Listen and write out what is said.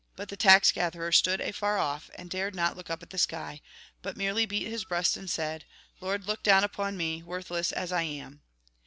But the tax gatherer stood afar off, and dared not look up at the sky, but merely beat his breast, and said :' Lord, look down upon me, worthless as I am.'